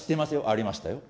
ありましたよ。